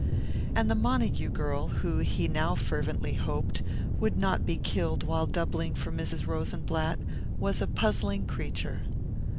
And the Montague girl, who, he now fervently hoped, would not be killed while doubling for Mrs. Rosenblatt, was a puzzling creature.